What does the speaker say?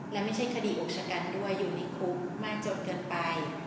และไม่ใช่คดีอุกชะกันด้วยอยู่ในคุกมากจนเกินไป